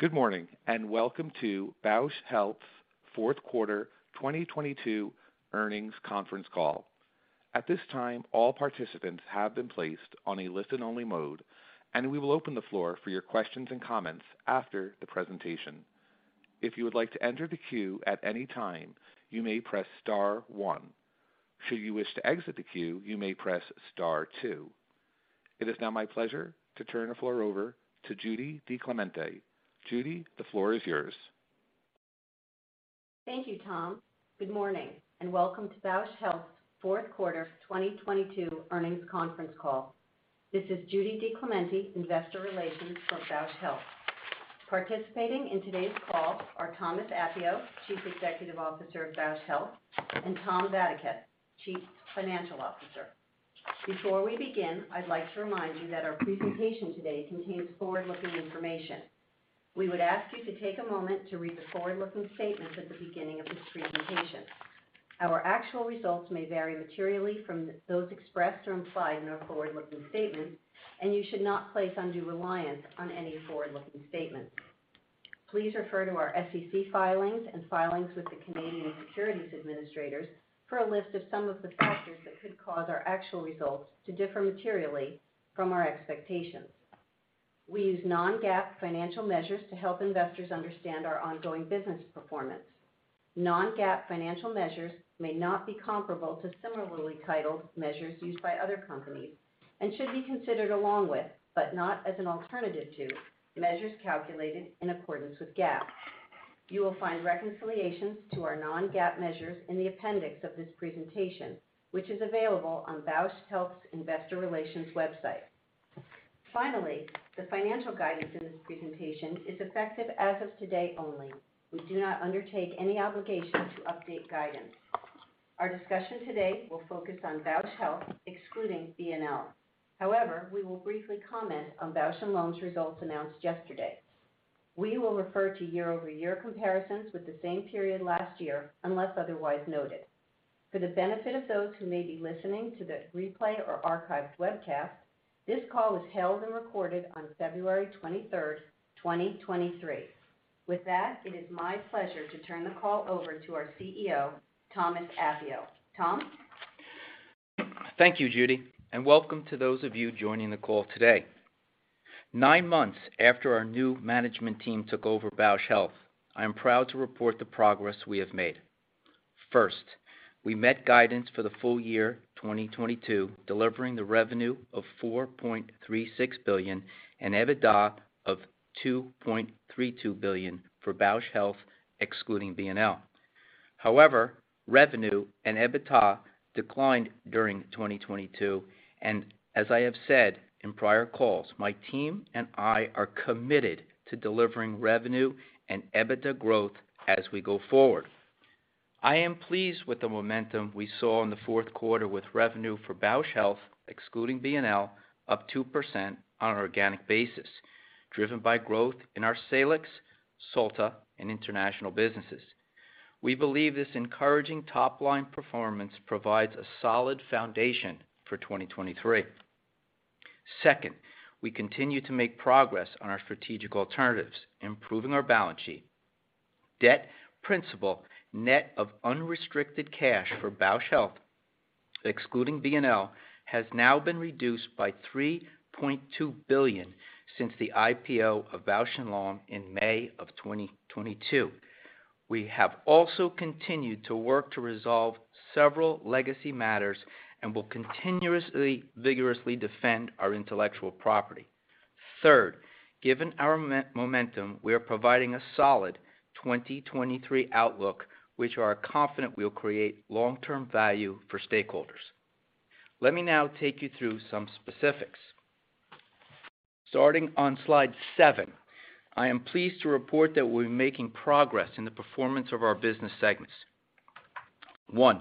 Good morning, and welcome to Bausch Health's fourth quarter 2022 earnings conference call. At this time, all participants have been placed on a listen-only mode, and we will open the floor for your questions and comments after the presentation. If you would like to enter the queue at any time, you may press star one. Should you wish to exit the queue, you may press star two. It is now my pleasure to turn the floor over to Judy DiClemente. Judy, the floor is yours. Thank you, Tom. Good morning, welcome to Bausch Health's fourth quarter 2022 earnings conference call. This is Judy DiClemente, investor relations for Bausch Health. Participating in today's call are Thomas Appio, Chief Executive Officer of Bausch Health, and Tom Vadaketh, Chief Financial Officer. Before we begin, I'd like to remind you that our presentation today contains forward-looking information. We would ask you to take a moment to read the forward-looking statements at the beginning of this presentation. Our actual results may vary materially from those expressed or implied in our forward-looking statements, you should not place undue reliance on any forward-looking statements. Please refer to our SEC filings and filings with the Canadian Securities Administrators for a list of some of the factors that could cause our actual results to differ materially from our expectations. We use non-GAAP financial measures to help investors understand our ongoing business performance. Non-GAAP financial measures may not be comparable to similarly titled measures used by other companies and should be considered along with, but not as an alternative to, measures calculated in accordance with GAAP. You will find reconciliations to our non-GAAP measures in the appendix of this presentation, which is available on Bausch Health's investor relations website. Finally, the financial guidance in this presentation is effective as of today only. We do not undertake any obligation to update guidance. Our discussion today will focus on Bausch Health, excluding B + L. However, we will briefly comment on Bausch + Lomb's results announced yesterday. We will refer to year-over-year comparisons with the same period last year, unless otherwise noted. For the benefit of those who may be listening to the replay or archived webcast, this call was held and recorded on February 23rd, 2023. With that, it is my pleasure to turn the call over to our CEO, Thomas Appio. Tom? Thank you, Judy. Welcome to those of you joining the call today. Nine months after our new management team took over Bausch Health, I am proud to report the progress we have made. First, we met guidance for the full year 2022, delivering the revenue of $4.36 billion and EBITDA of $2.32 billion for Bausch Health, excluding B + L. However, revenue and EBITDA declined during 2022, and as I have said in prior calls, my team and I are committed to delivering revenue and EBITDA growth as we go forward. I am pleased with the momentum we saw in the fourth quarter with revenue for Bausch Health, excluding B + L, up 2% on an organic basis, driven by growth in our Salix, Solta, and International businesses. We believe this encouraging top-line performance provides a solid foundation for 2023. Second, we continue to make progress on our strategic alternatives, improving our balance sheet. Debt principal net of unrestricted cash for Bausch Health, excluding B + L, has now been reduced by $3.2 billion since the IPO of Bausch + Lomb in May of 2022. We have also continued to work to resolve several legacy matters and will continuously vigorously defend our intellectual property. Third, given our momentum, we are providing a solid 2023 outlook, which we are confident will create long-term value for stakeholders. Let me now take you through some specifics. Starting on slide seven, I am pleased to report that we're making progress in the performance of our business segments. One,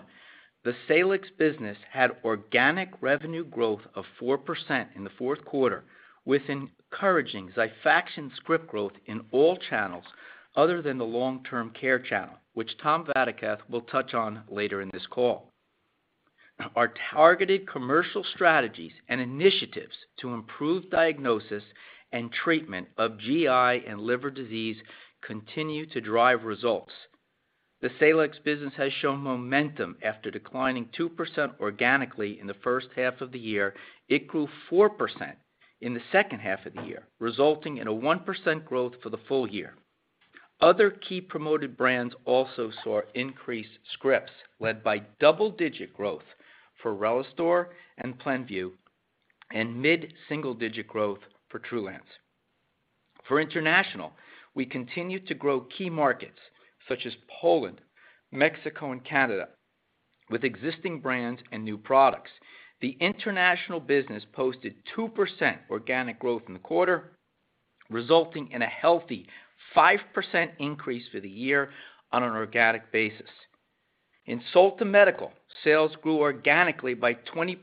the Salix business had organic revenue growth of 4% in the fourth quarter, with encouraging XIFAXAN script growth in all channels other than the long-term care channel, which Tom Vadaketh will touch on later in this call. Our targeted commercial strategies and initiatives to improve diagnosis and treatment of GI and liver disease continue to drive results. The Salix business has shown momentum after declining 2% organically in the first half of the year. It grew 4% in the second half of the year, resulting in a 1% growth for the full year. Other key promoted brands also saw increased scripts, led by double-digit growth for RELISTOR and PLENVU, and mid-single digit growth for TRULANCE. For International, we continued to grow key markets such as Poland, Mexico, and Canada with existing brands and new products. The International business posted 2% organic growth in the quarter, resulting in a healthy 5% increase for the year on an organic basis. In Solta Medical, sales grew organically by 20%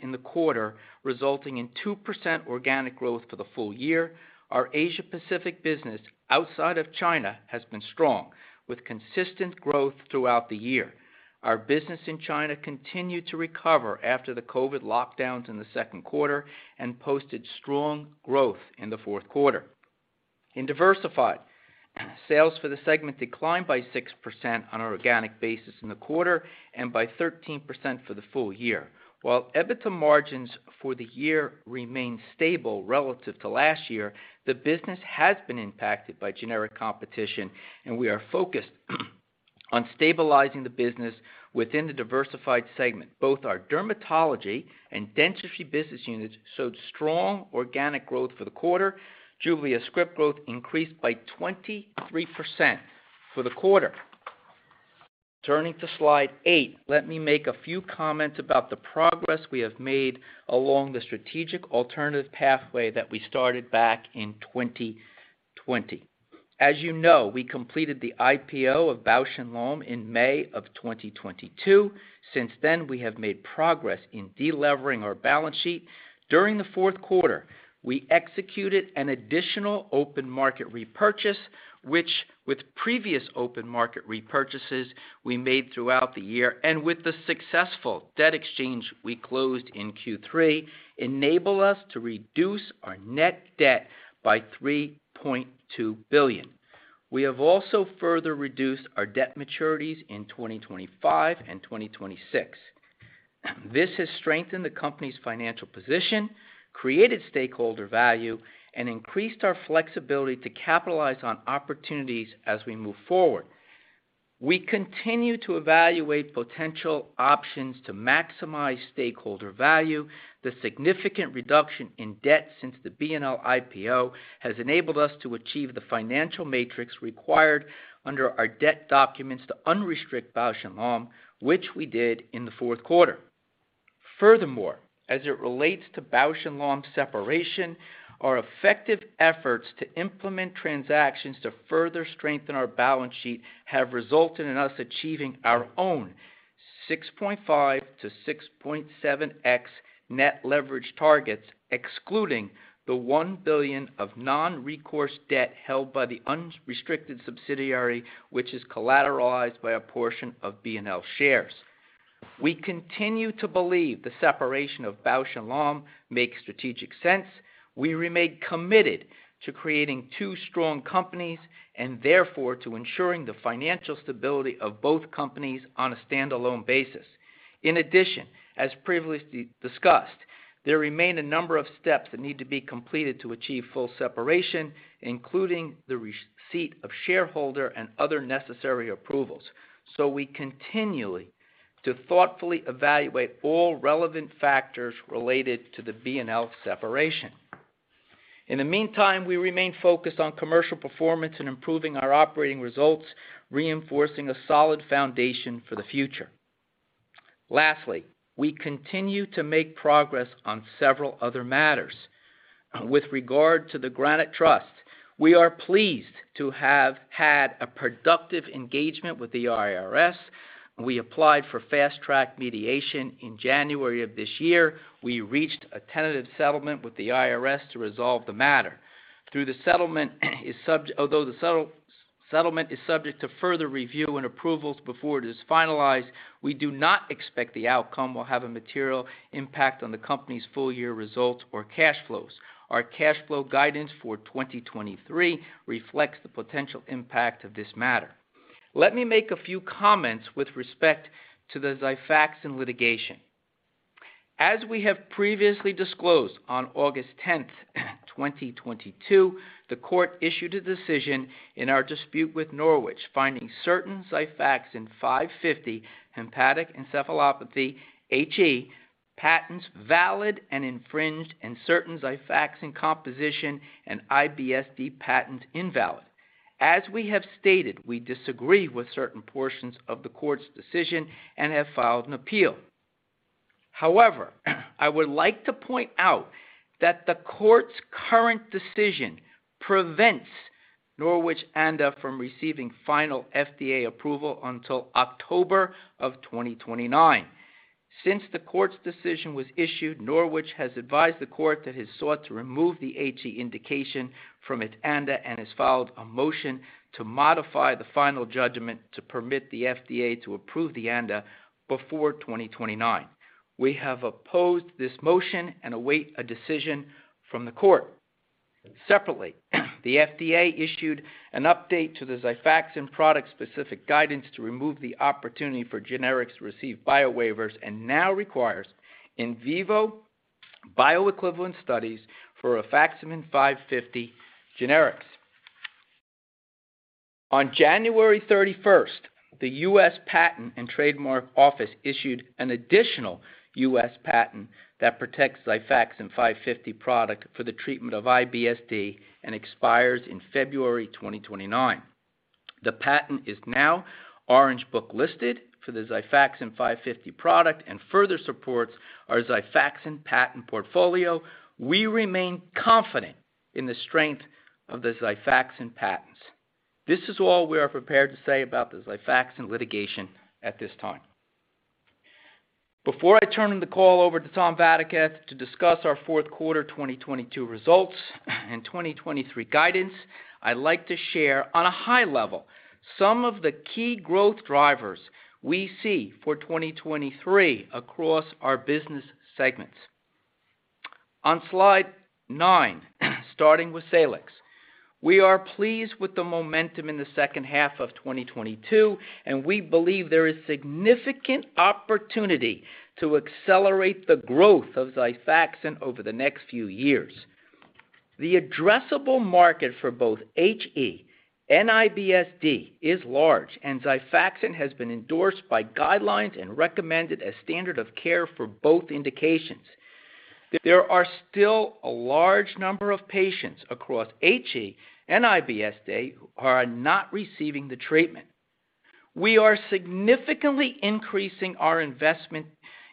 in the quarter, resulting in 2% organic growth for the full year. Our Asia Pacific business outside of China has been strong, with consistent growth throughout the year. Our business in China continued to recover after the COVID lockdowns in the second quarter and posted strong growth in the fourth quarter. In Diversified, sales for the segment declined by 6% on an organic basis in the quarter and by 13% for the full year. While EBITDA margins for the year remained stable relative to last year, the business has been impacted by generic competition, and we are focused on stabilizing the business within the Diversified segment. Both our dermatology and dentistry business units showed strong organic growth for the quarter. JUBLIA script growth increased by 23% for the quarter. Turning to slide eight, let me make a few comments about the progress we have made along the strategic alternative pathway that we started back in 2020. As you know, we completed the IPO of Bausch + Lomb in May of 2022. Since then, we have made progress in de-levering our balance sheet. During the fourth quarter, we executed an additional open market repurchase, which, with previous open market repurchases we made throughout the year and with the successful debt exchange we closed in Q3, enable us to reduce our net debt by $3.2 billion. We have also further reduced our debt maturities in 2025 and 2026. This has strengthened the company's financial position, created stakeholder value, and increased our flexibility to capitalize on opportunities as we move forward. We continue to evaluate potential options to maximize stakeholder value. The significant reduction in debt since the B + L IPO has enabled us to achieve the financial matrix required under our debt documents to unrestrict Bausch + Lomb, which we did in the fourth quarter. As it relates to Bausch + Lomb's separation, our effective efforts to implement transactions to further strengthen our balance sheet have resulted in us achieving our own 6.5x-6.7x net leverage targets, excluding the $1 billion of non-recourse debt held by the unrestricted subsidiary, which is collateralized by a portion of B + L shares. We continue to believe the separation of Bausch + Lomb makes strategic sense. We remain committed to creating two strong companies and therefore to ensuring the financial stability of both companies on a standalone basis. In addition, as previously discussed, there remain a number of steps that need to be completed to achieve full separation, including the receipt of shareholder and other necessary approvals. We continually to thoughtfully evaluate all relevant factors related to the B + L separation. In the meantime, we remain focused on commercial performance and improving our operating results, reinforcing a solid foundation for the future. Lastly, we continue to make progress on several other matters. With regard to the Granite Trust, we are pleased to have had a productive engagement with the IRS. We applied for fast-track mediation in January of this year. We reached a tentative settlement with the IRS to resolve the matter. Although the settlement is subject to further review and approvals before it is finalized, we do not expect the outcome will have a material impact on the company's full year results or cash flows. Our cash flow guidance for 2023 reflects the potential impact of this matter. Let me make a few comments with respect to the XIFAXAN litigation. As we have previously disclosed, on August 10th, 2022, the court issued a decision in our dispute with Norwich, finding certain XIFAXAN 550 hepatic encephalopathy, HE, patents valid and infringed, and certain XIFAXAN composition and IBS-D patents invalid. As we have stated, we disagree with certain portions of the court's decision and have filed an appeal. However, I would like to point out that the court's current decision prevents Norwich's ANDA from receiving final FDA approval until October of 2029. Since the court's decision was issued, Norwich Pharmaceuticals has advised the court that it has sought to remove the HE indication from its ANDA and has filed a motion to modify the final judgment to permit the FDA to approve the ANDA before 2029. We have opposed this motion and await a decision from the court. Separately, the FDA issued an update to the XIFAXAN product-specific guidance to remove the opportunity for generics to receive biowaivers and now requires in vivo bioequivalent studies for rifaximin 550 mg generics. On January 31st, the United States Patent and Trademark Office issued an additional U.S. patent that protects XIFAXAN 550 mg product for the treatment of IBS-D and expires in February 2029. The patent is now Orange Book listed for the XIFAXAN 550 mg product and further supports our XIFAXAN patent portfolio. We remain confident in the strength of the XIFAXAN patents. This is all we are prepared to say about the XIFAXAN litigation at this time. Before I turn the call over to Tom Vadaketh to discuss our fourth quarter 2022 results and 2023 guidance, I'd like to share on a high level some of the key growth drivers we see for 2023 across our business segments. On slide nine, starting with Salix. We are pleased with the momentum in the second half of 2022, and we believe there is significant opportunity to accelerate the growth of XIFAXAN over the next few years. The addressable market for both HE and IBS-D is large, and XIFAXAN has been endorsed by guidelines and recommended as standard of care for both indications. There are still a large number of patients across HE and IBS-D who are not receiving the treatment. We are significantly increasing our investment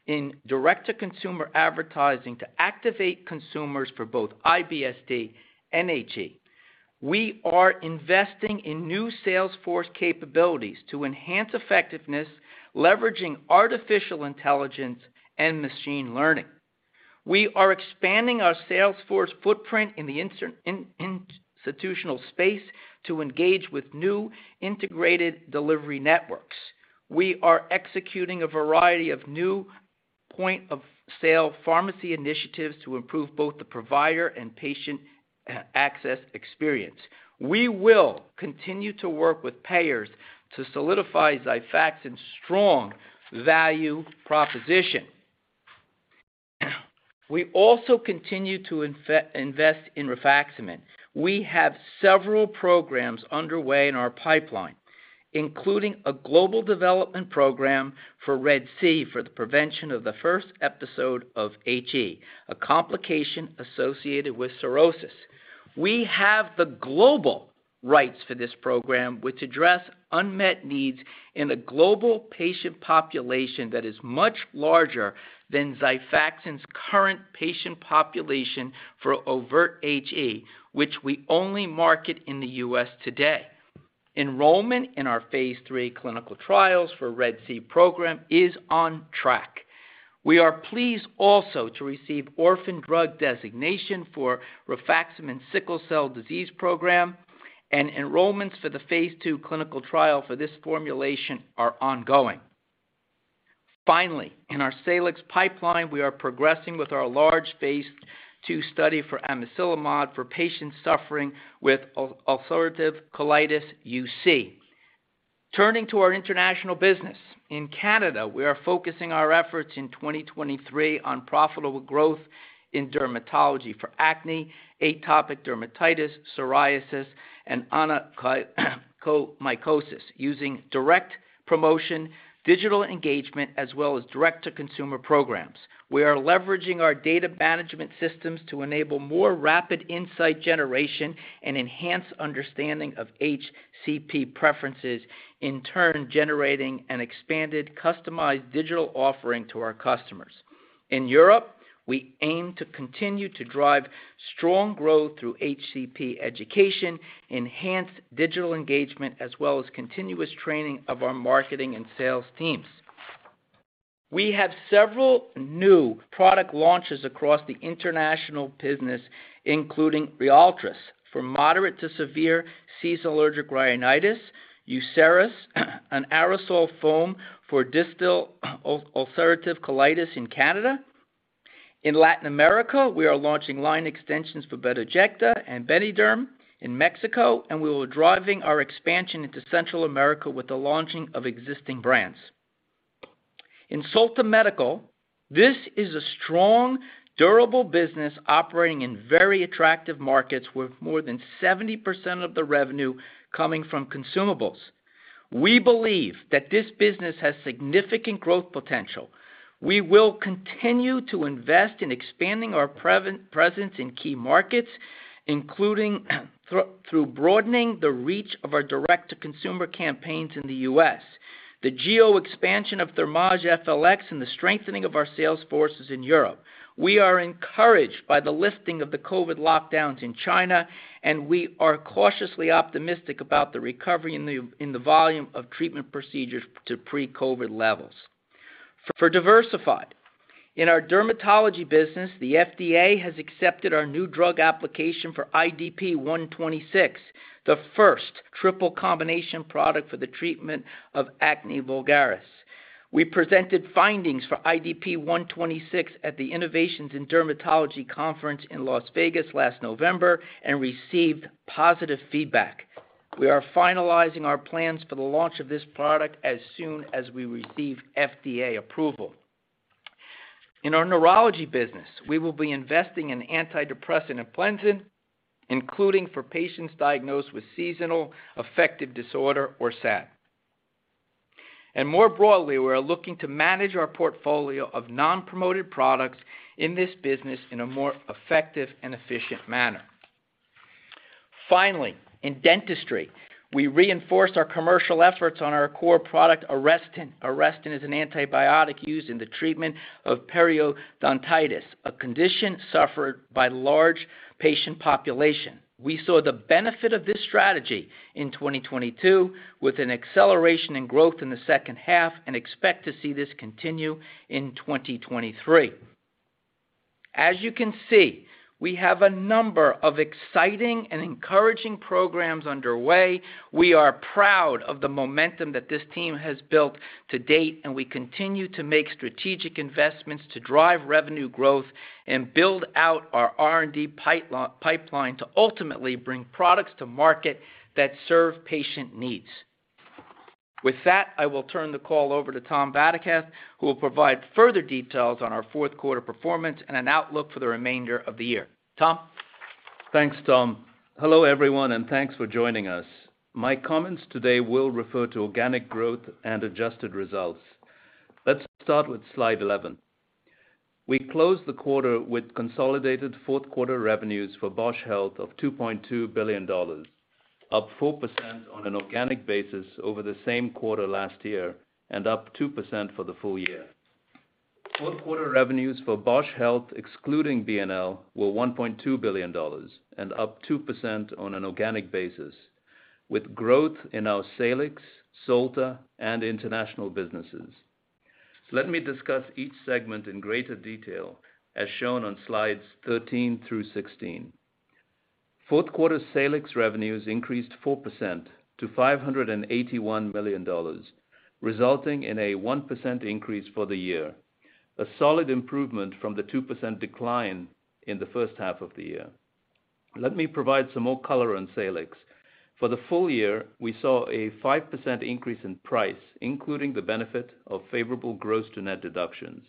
in direct-to-consumer advertising to activate consumers for both IBS-D and HE. We are investing in new sales force capabilities to enhance effectiveness, leveraging artificial intelligence and machine learning. We are expanding our sales force footprint in the institutional space to engage with new integrated delivery networks. We are executing a variety of new point-of-sale pharmacy initiatives to improve both the provider and patient access experience. We will continue to work with payers to solidify XIFAXAN's strong value proposition. We also continue to invest in rifaximin. We have several programs underway in our pipeline, including a global development program for RED-C for the prevention of the first episode of HE, a complication associated with cirrhosis. We have the global rights for this program, which address unmet needs in a global patient population that is much larger than XIFAXAN's current patient population for overt HE, which we only market in the U.S. today. Enrollment in our phase III clinical trials for RED-C program is on track. We are pleased also to receive orphan drug designation for Rifaximin sickle cell disease program, and enrollments for the phase II clinical trial for this formulation are ongoing. Finally, in our Salix pipeline, we are progressing with our large phase II study for amiselimod for patients suffering with ulcerative colitis, UC. Turning to our international business. In Canada, we are focusing our efforts in 2023 on profitable growth in dermatology for acne, atopic dermatitis, psoriasis, and onychomycosis using direct promotion, digital engagement, as well as direct-to-consumer programs. We are leveraging our data management systems to enable more rapid insight generation and enhance understanding of HCP preferences, in turn generating an expanded customized digital offering to our customers. In Europe, we aim to continue to drive strong growth through HCP education, enhanced digital engagement, as well as continuous training of our marketing and sales teams. We have several new product launches across the international business, including RYALTRIS for moderate to severe seasonal allergic rhinitis, UCERIS, an aerosol foam for distal ulcerative colitis in Canada. In Latin America, we are launching line extensions for Bedoyecta and Benedorm in Mexico, and we are driving our expansion into Central America with the launching of existing brands. In Solta Medical, this is a strong, durable business operating in very attractive markets, with more than 70% of the revenue coming from consumables. We believe that this business has significant growth potential. We will continue to invest in expanding our presence in key markets, including through broadening the reach of our direct-to-consumer campaigns in the U.S., the geo-expansion of Thermage FLX, and the strengthening of our sales forces in Europe. We are encouraged by the lifting of the COVID lockdowns in China, we are cautiously optimistic about the recovery in the volume of treatment procedures to pre-COVID levels. For Diversified, in our dermatology business, the FDA has accepted our new drug application for IDP-126, the first triple combination product for the treatment of acne vulgaris. We presented findings for IDP-126 at the Innovations in Dermatology conference in Las Vegas last November and received positive feedback. We are finalizing our plans for the launch of this product as soon as we receive FDA approval. In our neurology business, we will be investing in antidepressant APLENZIN, including for patients diagnosed with seasonal affective disorder, or SAD. More broadly, we are looking to manage our portfolio of non-promoted products in this business in a more effective and efficient manner. Finally, in dentistry, we reinforced our commercial efforts on our core product, ARESTIN. ARESTIN is an antibiotic used in the treatment of periodontitis, a condition suffered by large patient population. We saw the benefit of this strategy in 2022 with an acceleration in growth in the second half and expect to see this continue in 2023. As you can see, we have a number of exciting and encouraging programs underway. We are proud of the momentum that this team has built to date. We continue to make strategic investments to drive revenue growth and build out our R&D pipeline to ultimately bring products to market that serve patient needs. With that, I will turn the call over to Tom Vadaketh, who will provide further details on our fourth quarter performance and an outlook for the remainder of the year. Tom? Thanks, Tom. Hello, everyone, and thanks for joining us. My comments today will refer to organic growth and adjusted results. Let's start with slide 11. We closed the quarter with consolidated fourth quarter revenues for Bausch Health of $2.2 billion, up 4% on an organic basis over the same quarter last year and up 2% for the full year. Fourth quarter revenues for Bausch Health, excluding B + L, were $1.2 billion and up 2% on an organic basis, with growth in our Salix, Solta, and International businesses. Let me discuss each segment in greater detail, as shown on slides 13 through 16. Fourth quarter Salix revenues increased 4% to $581 million, resulting in a 1% increase for the year, a solid improvement from the 2% decline in the first half of the year. Let me provide some more color on Salix. For the full year, we saw a 5% increase in price, including the benefit of favorable gross to net deductions.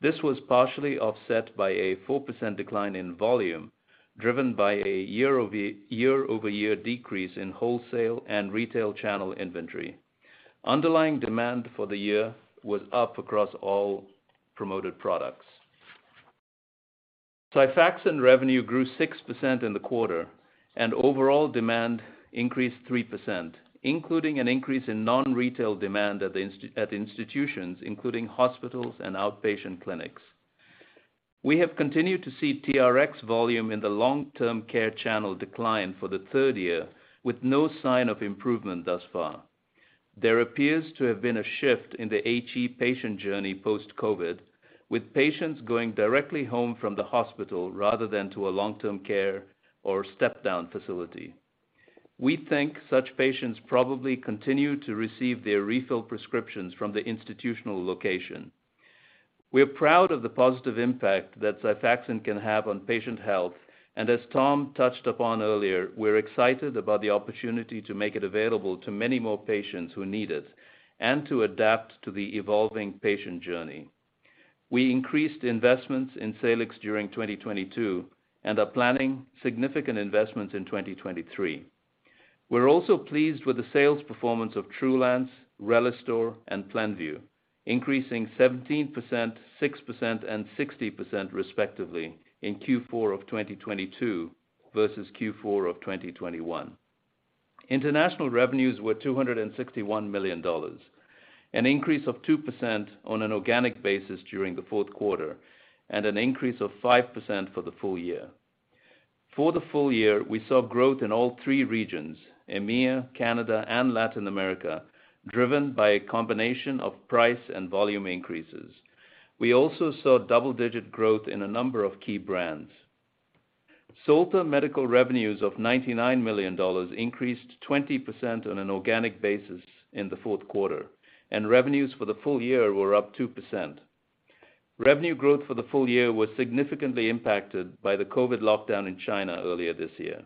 This was partially offset by a 4% decline in volume, driven by a year-over-year decrease in wholesale and retail channel inventory. Underlying demand for the year was up across all promoted products. XIFAXAN revenue grew 6% in the quarter, and overall demand increased 3%, including an increase in non-retail demand at institutions, including hospitals and outpatient clinics. We have continued to see TRx volume in the long term care channel decline for the third year with no sign of improvement thus far. There appears to have been a shift in the HE patient journey post-COVID, with patients going directly home from the hospital rather than to a long-term care or step-down facility. We think such patients probably continue to receive their refill prescriptions from the institutional location. We are proud of the positive impact that XIFAXAN can have on patient health, and as Tom touched upon earlier, we're excited about the opportunity to make it available to many more patients who need it and to adapt to the evolving patient journey. We increased investments in Salix during 2022 and are planning significant investments in 2023. We're also pleased with the sales performance of TRULANCE, RELISTOR, and PLENVU, increasing 17%, 6%, and 60% respectively in Q4 of 2022 versus Q4 of 2021. International revenues were $261 million, an increase of 2% on an organic basis during the fourth quarter, and an increase of 5% for the full year. For the full year, we saw growth in all three regions, EMEA, Canada, and Latin America, driven by a combination of price and volume increases. We also saw double-digit growth in a number of key brands. Solta Medical revenues of $99 million increased 20% on an organic basis in the fourth quarter, and revenues for the full year were up 2%. Revenue growth for the full year was significantly impacted by the COVID lockdown in China earlier this year.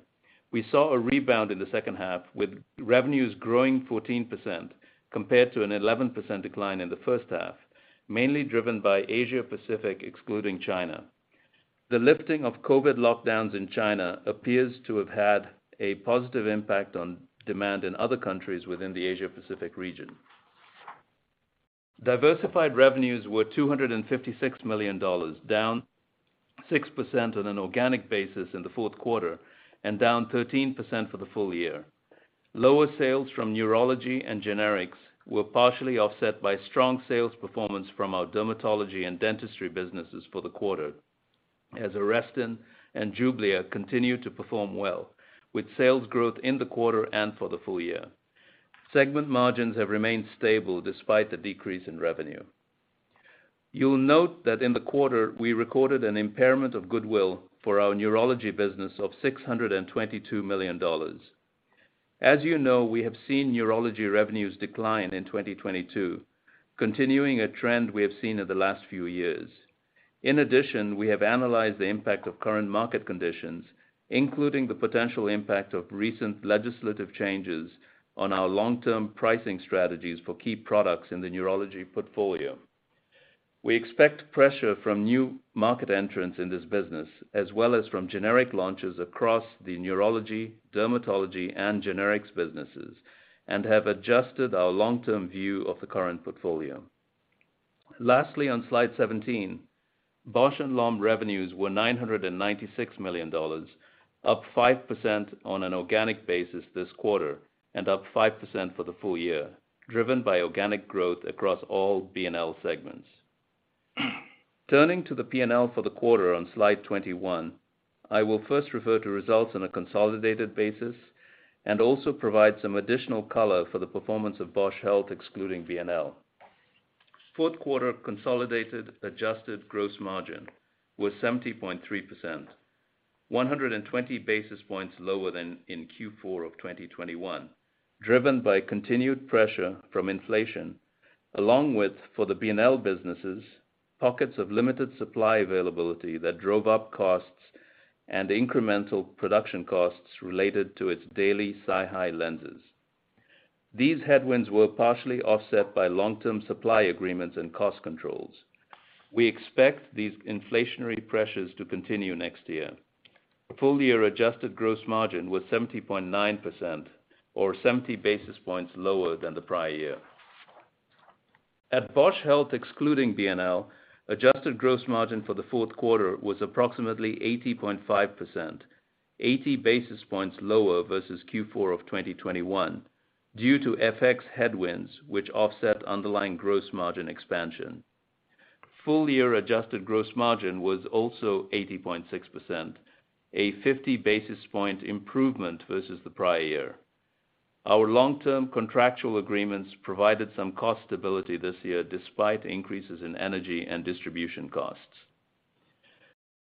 We saw a rebound in the second half, with revenues growing 14% compared to an 11% decline in the first half, mainly driven by Asia-Pacific, excluding China. The lifting of COVID lockdowns in China appears to have had a positive impact on demand in other countries within the Asia-Pacific region. Diversified revenues were $256 million, down 6% on an organic basis in the fourth quarter and down 13% for the full year. Lower sales from neurology and generics were partially offset by strong sales performance from our dermatology and dentistry businesses for the quarter, as ARESTIN and JUBLIA continue to perform well with sales growth in the quarter and for the full year. Segment margins have remained stable despite the decrease in revenue. You'll note that in the quarter, we recorded an impairment of goodwill for our neurology business of $622 million. As you know, we have seen neurology revenues decline in 2022, continuing a trend we have seen in the last few years. We have analyzed the impact of current market conditions, including the potential impact of recent legislative changes on our long-term pricing strategies for key products in the neurology portfolio. We expect pressure from new market entrants in this business as well as from generic launches across the neurology, dermatology, and generics businesses and have adjusted our long-term view of the current portfolio. On slide 17, Bausch + Lomb revenues were $996 million, up 5% on an organic basis this quarter and up 5% for the full year, driven by organic growth across all B + L segments. Turning to the P&L for the quarter on slide 21, I will first refer to results on a consolidated basis and also provide some additional color for the performance of Bausch Health, excluding B + L. Fourth quarter consolidated adjusted gross margin was 70.3%, 120 basis points lower than in Q4 of 2021, driven by continued pressure from inflation, along with, for the B + L businesses, pockets of limited supply availability that drove up costs and incremental production costs related to its daily SiHy lenses. These headwinds were partially offset by long-term supply agreements and cost controls. We expect these inflationary pressures to continue next year. Full year adjusted gross margin was 70.9% or 70 basis points lower than the prior year. At Bausch Health, excluding B + L, adjusted gross margin for the fourth quarter was approximately 80.5%, 80 basis points lower versus Q4 of 2021 due to FX headwinds, which offset underlying gross margin expansion. Full year adjusted gross margin was also 80.6%, a 50 basis point improvement versus the prior year. Our long-term contractual agreements provided some cost stability this year, despite increases in energy and distribution costs.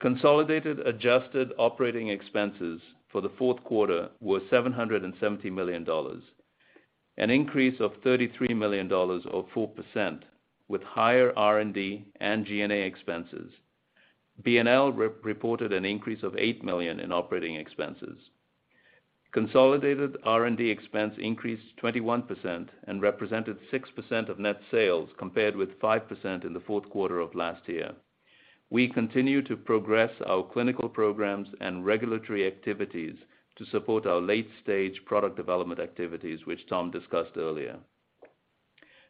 Consolidated adjusted operating expenses for the fourth quarter were $770 million, an increase of $33 million or 4%, with higher R&D and G&A expenses. B + L re-reported an increase of $8 million in operating expenses. Consolidated R&D expense increased 21% and represented 6% of net sales, compared with 5% in the fourth quarter of last year. We continue to progress our clinical programs and regulatory activities to support our late stage product development activities, which Tom discussed earlier.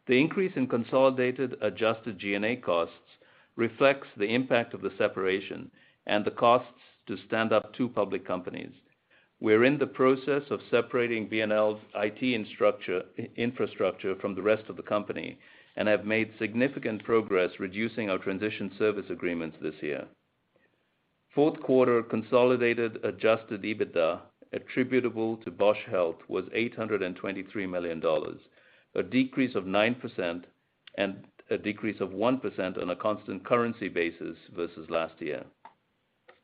The increase in consolidated adjusted G&A costs reflects the impact of the separation and the costs to stand up two public companies. We are in the process of separating B + L's IT and infrastructure from the rest of the company, have made significant progress reducing our transition service agreements this year. Fourth quarter consolidated adjusted EBITDA attributable to Bausch Health was $823 million, a decrease of 9% and a decrease of 1% on a constant currency basis versus last year.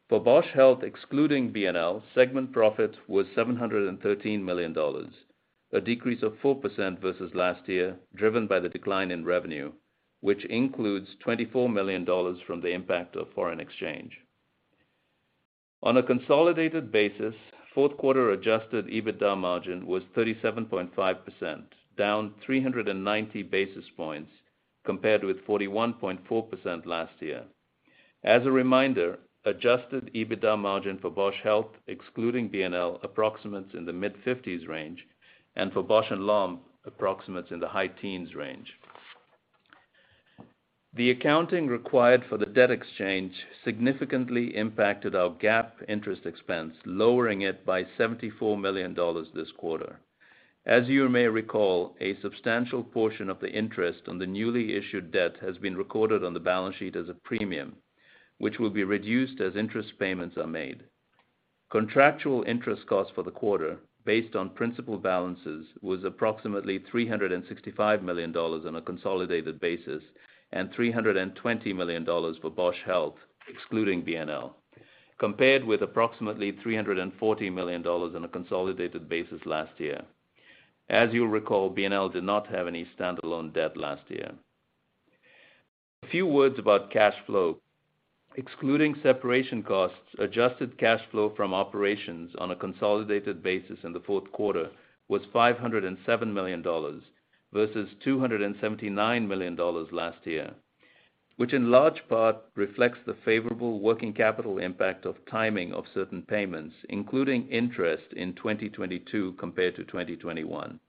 For Bausch Health, excluding B + L, segment profit was $713 million, a decrease of 4% versus last year, driven by the decline in revenue, which includes $24 million from the impact of foreign exchange. On a consolidated basis, fourth quarter adjusted EBITDA margin was 37.5%, down 390 basis points compared with 41.4% last year. As a reminder, adjusted EBITDA margin for Bausch Health, excluding B + L, approximates in the mid-50s range, and for Bausch + Lomb approximates in the high teens range. The accounting required for the debt exchange significantly impacted our GAAP interest expense, lowering it by $74 million this quarter. As you may recall, a substantial portion of the interest on the newly issued debt has been recorded on the balance sheet as a premium, which will be reduced as interest payments are made. Contractual interest costs for the quarter, based on principal balances, was approximately $365 million on a consolidated basis and $320 million for Bausch Health, excluding B + L, compared with approximately $340 million on a consolidated basis last year. As you'll recall, B + L did not have any standalone debt last year. A few words about cash flow. Excluding separation costs, adjusted cash flow from operations on a consolidated basis in the fourth quarter was $507 million versus $279 million last year, which in large part reflects the favorable working capital impact of timing of certain payments, including interest in 2022 compared to 2021.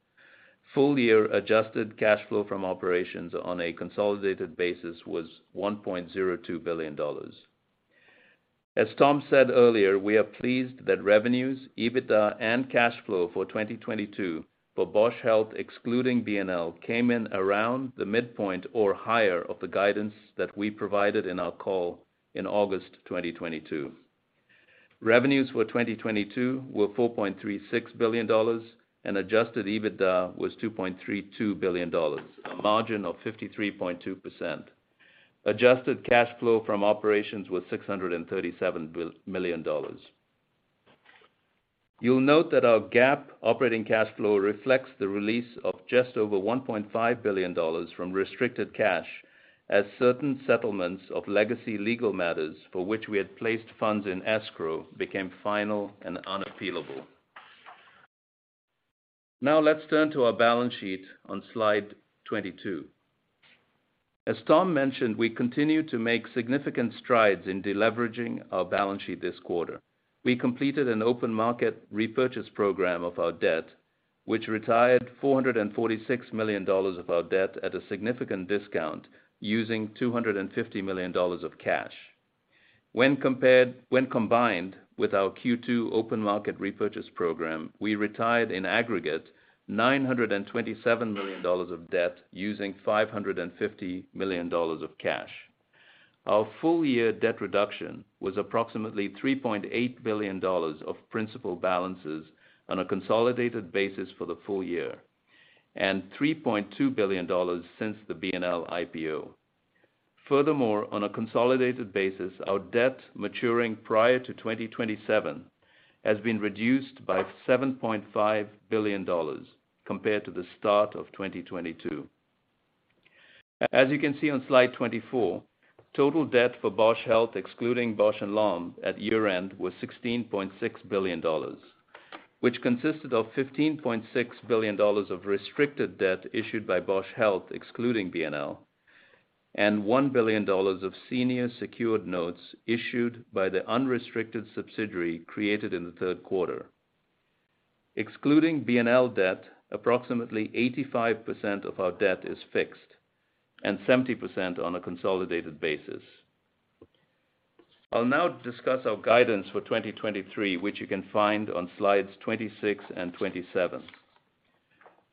Full year adjusted cash flow from operations on a consolidated basis was $1.02 billion. As Tom said earlier, we are pleased that revenues, EBITDA, and cash flow for 2022 for Bausch Health, excluding B + L, came in around the midpoint or higher of the guidance that we provided in our call in August 2022. Revenues for 2022 were $4.36 billion, and adjusted EBITDA was $2.32 billion, a margin of 53.2%. Adjusted cash flow from operations was $637 million. You'll note that our GAAP operating cash flow reflects the release of just over $1.5 billion from restricted cash as certain settlements of legacy legal matters, for which we had placed funds in escrow, became final and unappealable. Now let's turn to our balance sheet on slide 22. As Tom mentioned, we continue to make significant strides in deleveraging our balance sheet this quarter. We completed an open market repurchase program of our debt, which retired $446 million of our debt at a significant discount, using $250 million of cash. When combined with our Q2 open market repurchase program, we retired, in aggregate, $927 million of debt using $550 million of cash. Our full year debt reduction was approximately $3.8 billion of principal balances on a consolidated basis for the full year, and $3.2 billion since the B + L IPO. On a consolidated basis, our debt maturing prior to 2027 has been reduced by $7.5 billion compared to the start of 2022. As you can see on slide 24, total debt for Bausch Health, excluding Bausch + Lomb at year-end was $16.6 billion, which consisted of $15.6 billion of restricted debt issued by Bausch Health excluding B + L, and $1 billion of senior secured notes issued by the unrestricted subsidiary created in the third quarter. Excluding B + L debt, approximately 85% of our debt is fixed and 70% on a consolidated basis. I'll now discuss our guidance for 2023, which you can find on slides 26 and 27.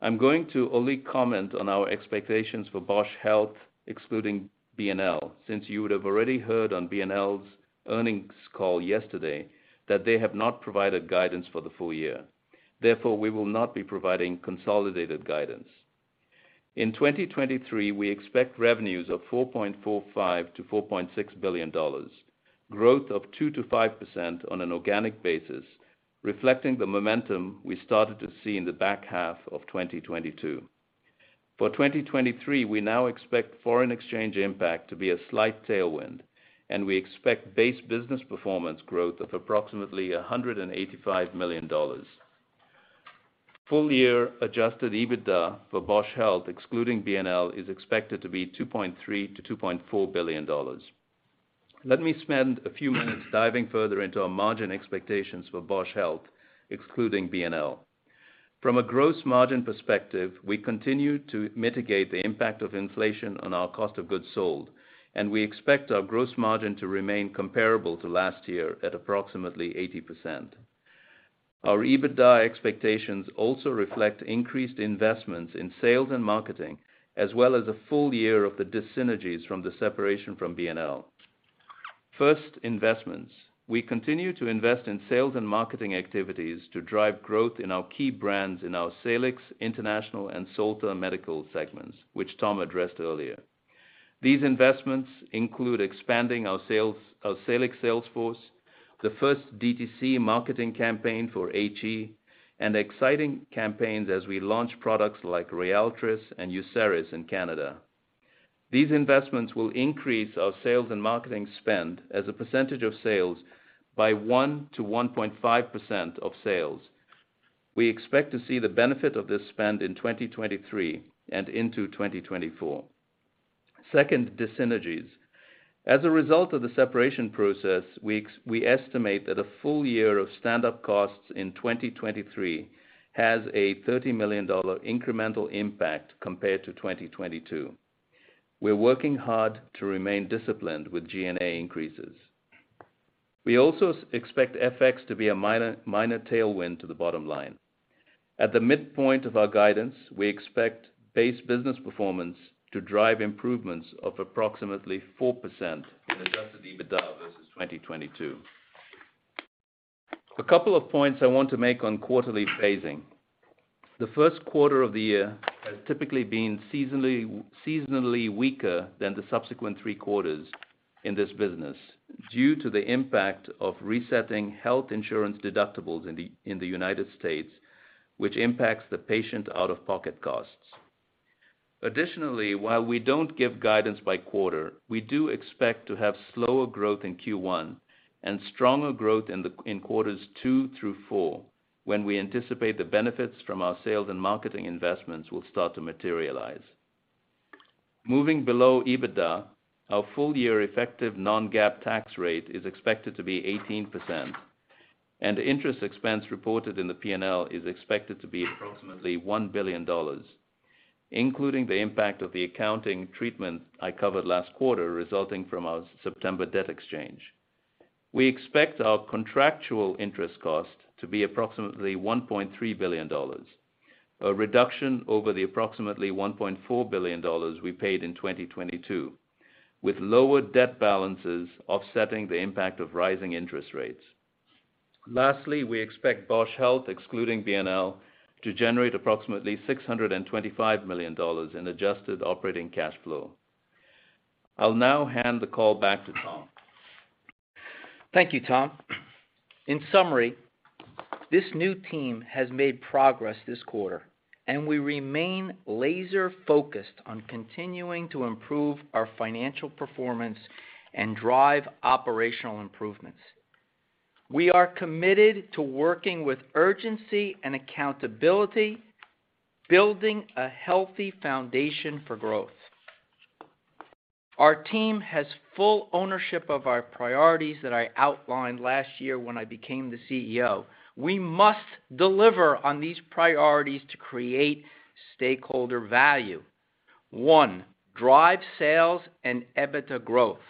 I'm going to only comment on our expectations for Bausch Health, excluding B + L, since you would have already heard on B + L's earnings call yesterday that they have not provided guidance for the full year. Therefore, we will not be providing consolidated guidance. In 2023, we expect revenues of $4.45 billion-$4.6 billion, growth of 2%-5% on an organic basis, reflecting the momentum we started to see in the back half of 2022. For 2023, we now expect foreign exchange impact to be a slight tailwind. We expect base business performance growth of approximately $185 million. Full year adjusted EBITDA for Bausch Health, excluding B + L, is expected to be $2.3 billion-$2.4 billion. Let me spend a few minutes diving further into our margin expectations for Bausch Health, excluding B + L. From a gross margin perspective, we continue to mitigate the impact of inflation on our cost of goods sold, and we expect our gross margin to remain comparable to last year at approximately 80%. Our EBITDA expectations also reflect increased investments in sales and marketing, as well as a full year of the dyssynergies from the separation from B + L. First, investments. We continue to invest in sales and marketing activities to drive growth in our key brands in our Salix, International, and Solta Medical segments, which Tom addressed earlier. These investments include expanding our Salix sales force, the first DTC marketing campaign for HE, and exciting campaigns as we launch products like RYALTRIS and UCERIS in Canada. These investments will increase our sales and marketing spend as a percentage of sales by 1%-1.5% of sales. We expect to see the benefit of this spend in 2023 and into 2024. Second, dyssynergies. As a result of the separation process, we estimate that a full year of standup costs in 2023 has a $30 million incremental impact compared to 2022. We're working hard to remain disciplined with G&A increases. We also expect FX to be a minor tailwind to the bottom line. At the midpoint of our guidance, we expect base business performance to drive improvements of approximately 4% in adjusted EBITDA versus 2022. A couple of points I want to make on quarterly phasing. The first quarter of the year has typically been seasonally weaker than the subsequent three quarters in this business due to the impact of resetting health insurance deductibles in the United States, which impacts the patient out-of-pocket costs. Additionally, while we don't give guidance by quarter, we do expect to have slower growth in Q1 and stronger growth in quarters two through four, when we anticipate the benefits from our sales and marketing investments will start to materialize. Moving below EBITDA, our full year effective non-GAAP tax rate is expected to be 18%, and interest expense reported in the P&L is expected to be approximately $1 billion, including the impact of the accounting treatment I covered last quarter resulting from our September debt exchange. We expect our contractual interest cost to be approximately $1.3 billion, a reduction over the approximately $1.4 billion we paid in 2022, with lower debt balances offsetting the impact of rising interest rates. Lastly, we expect Bausch Health, excluding B + L, to generate approximately $625 million in adjusted operating cash flow. I'll now hand the call back to Tom. Thank you, Tom. In summary, this new team has made progress this quarter, and we remain laser-focused on continuing to improve our financial performance and drive operational improvements. We are committed to working with urgency and accountability, building a healthy foundation for growth. Our team has full ownership of our priorities that I outlined last year when I became the CEO. We must deliver on these priorities to create stakeholder value. One, drive sales and EBITDA growth.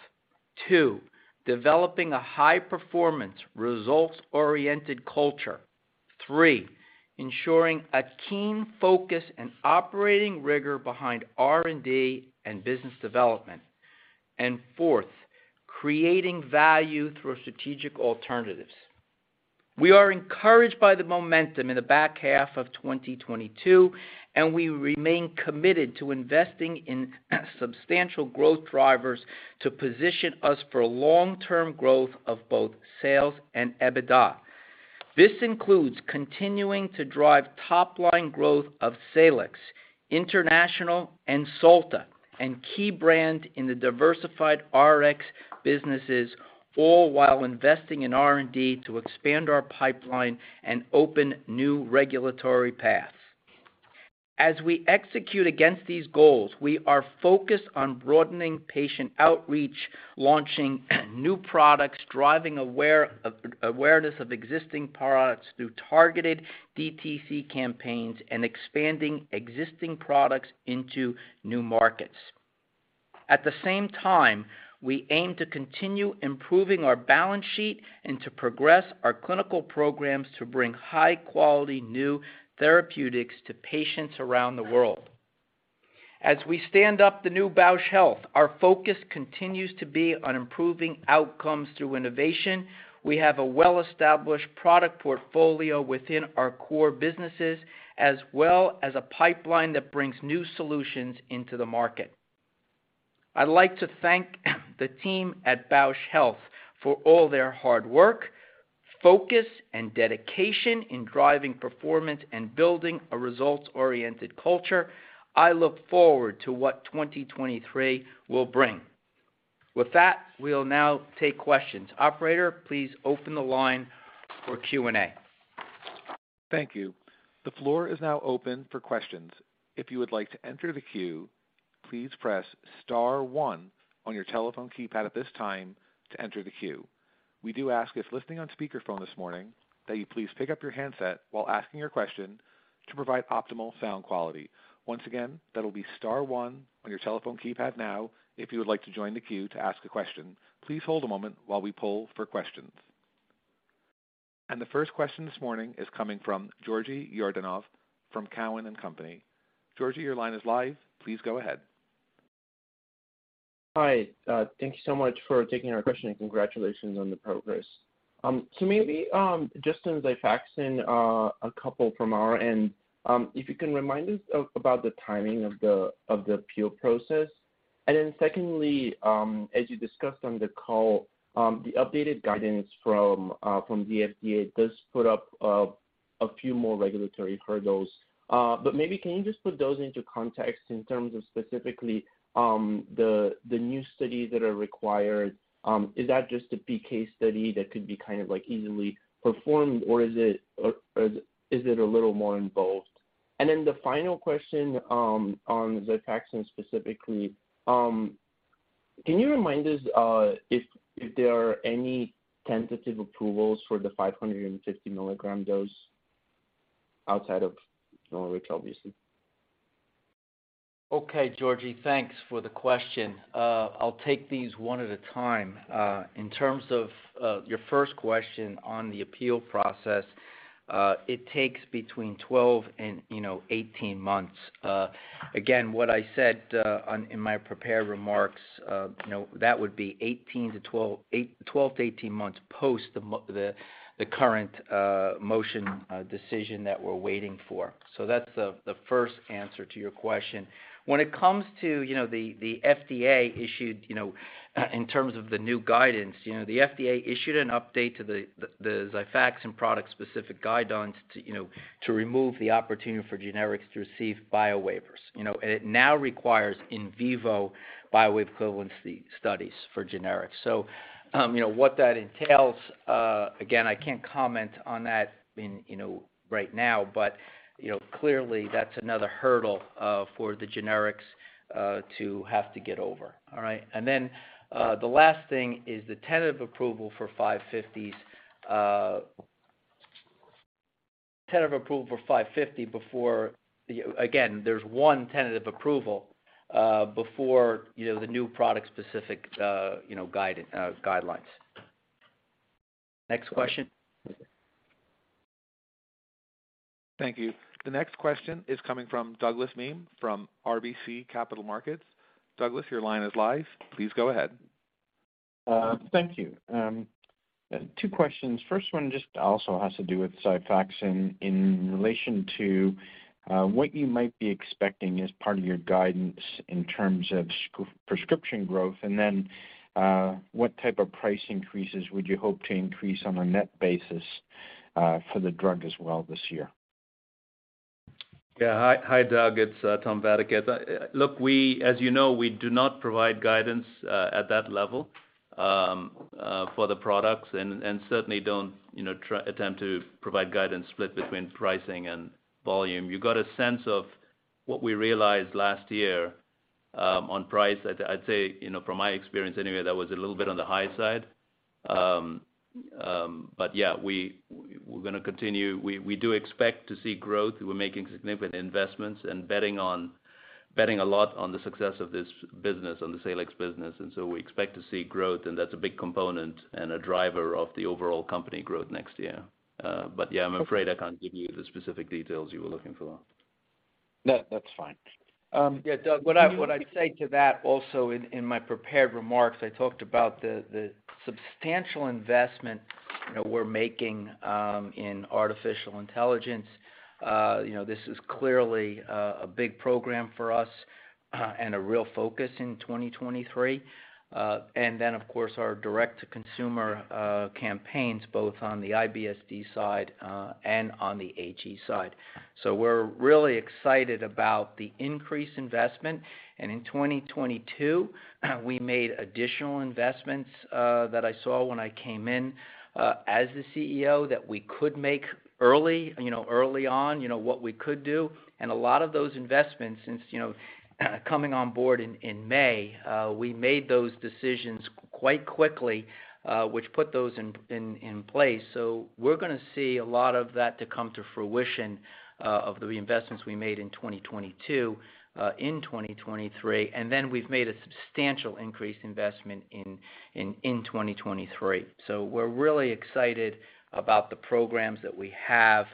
Two, developing a high-performance, results-oriented culture. Three, ensuring a keen focus and operating rigor behind R&D and business development. Fourth, creating value through strategic alternatives. We are encouraged by the momentum in the back half of 2022, and we remain committed to investing in substantial growth drivers to position us for long-term growth of both sales and EBITDA. This includes continuing to drive top line growth of Salix, International, and Solta, and key brand in the Diversified Rx businesses, all while investing in R&D to expand our pipeline and open new regulatory paths. As we execute against these goals, we are focused on broadening patient outreach, launching new products, driving awareness of existing products through targeted DTC campaigns, and expanding existing products into new markets. At the same time, we aim to continue improving our balance sheet and to progress our clinical programs to bring high quality new therapeutics to patients around the world. As we stand up the new Bausch Health, our focus continues to be on improving outcomes through innovation. We have a well-established product portfolio within our core businesses, as well as a pipeline that brings new solutions into the market. I'd like to thank the team at Bausch Health for all their hard work, focus, and dedication in driving performance and building a results-oriented culture. I look forward to what 2023 will bring. With that, we'll now take questions. Operator, please open the line for Q&A. Thank you. The floor is now open for questions. If you would like to enter the queue, please press star one on your telephone keypad at this time to enter the queue. We do ask if listening on speakerphone this morning that you please pick up your handset while asking your question to provide optimal sound quality. Once again, that'll be star one on your telephone keypad now if you would like to join the queue to ask a question. Please hold a moment while we poll for questions. The first question this morning is coming from Georgi Yordanov from Cowen and Company. Georgi, your line is live. Please go ahead. Hi, thank you so much for taking our question, and congratulations on the progress. Maybe, just in XIFAXAN, a couple from our end, if you can remind us about the timing of the appeal process. Then secondly, as you discussed on the call, the updated guidance from the FDA does put up a few more regulatory hurdles. Maybe can you just put those into context in terms of specifically, the new studies that are required? Is that just a PK study that could be kind of like easily performed, or is it a little more involved? The final question, on XIFAXAN specifically, can you remind us, if there are any tentative approvals for the 550 mg dose outside of Norwich, obviously? Okay, Georgi, thanks for the question. I'll take these one at a time. In terms of your first question on the appeal process, it takes between 12 and, you know, 18 months. Again, what I said in my prepared remarks, you know, that would be 12-18 months post the current motion decision that we're waiting for. That's the first answer to your question. When it comes to, you know, the FDA issued, you know, in terms of the new guidance, you know, the FDA issued an update to the XIFAXAN product specific guidelines to, you know, to remove the opportunity for generics to receive biowaivers. You know, it now requires in vivo bioequivalence studies for generics. You know, what that entails, again, I can't comment on that in, you know, right now, but, you know, clearly that's another hurdle for the generics to have to get over, all right? The last thing is the tentative approval for 550 mg before. Again, there's one tentative approval before, you know, the new product-specific, you know, guidelines. Next question. Thank you. The next question is coming from Douglas Miehm from RBC Capital Markets. Douglas, your line is live. Please go ahead. Thank you. Two questions. First one just also has to do with XIFAXAN in relation to what you might be expecting as part of your guidance in terms of prescription growth, and then what type of price increases would you hope to increase on a net basis for the drug as well this year? Hi, Doug. It's Tom Vadaketh. Look, as you know, we do not provide guidance at that level for the products and certainly don't, you know, attempt to provide guidance split between pricing and volume. You got a sense of what we realized last year on price. I'd say, you know, from my experience anyway, that was a little bit on the high side. Yeah, we're gonna continue. We do expect to see growth. We're making significant investments and betting a lot on the success of this business, on the Salix business, and so we expect to see growth, and that's a big component and a driver of the overall company growth next year. Yeah, I'm afraid I can't give you the specific details you were looking for. No, that's fine. Yeah, Doug, what I say to that also in my prepared remarks, I talked about the substantial investment, you know, we're making in artificial intelligence. You know, this is clearly a big program for us and a real focus in 2023. Of course, our direct-to-consumer campaigns, both on the IBS-D side and on the HE side. We're really excited about the increased investment. In 2022, we made additional investments that I saw when I came in as the CEO that we could make early on, what we could do. A lot of those investments since coming on board in May, we made those decisions quite quickly, which put those in place. We're gonna see a lot of that to come to fruition of the investments we made in 2022 in 2023. We've made a substantial increased investment in 2023. We're really excited about the programs that we have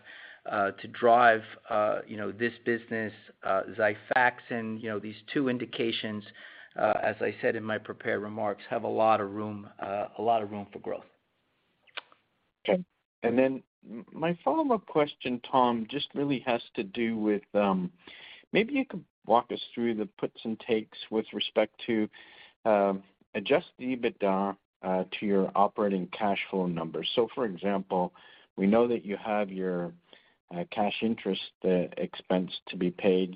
to drive, you know, this business, XIFAXAN, you know, these two indications, as I said in my prepared remarks, have a lot of room for growth. Okay. My follow-up question, Tom, just really has to do with, maybe you could walk us through the puts and takes with respect to, adjust the EBITDA, to your operating cash flow numbers. For example, we know that you have your, cash interest, the expense to be paid.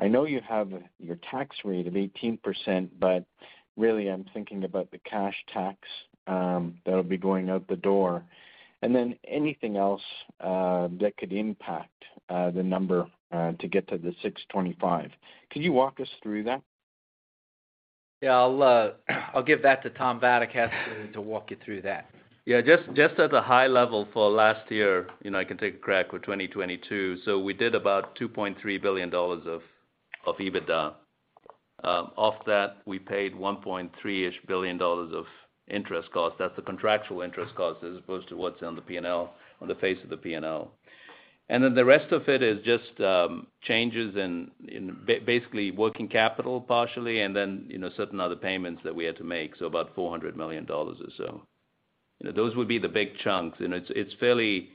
I know you have your tax rate of 18%, but really I'm thinking about the cash tax, that'll be going out the door. Anything else, that could impact, the number, to get to the $625 million. Can you walk us through that? Yeah. I'll give that to Tom Vadaketh to walk you through that. Yeah. Just at a high level for last year, you know, I can take a crack with 2022. We did about $2.3 billion of EBITDA. Off that, we paid $1.3 billion-ish of interest costs. That's the contractual interest costs as opposed to what's on the P&L on the face of the P&L. The rest of it is just changes in basically working capital, partially, and then, you know, certain other payments that we had to make, about $400 million or so. You know, those would be the big chunks, and it's fairly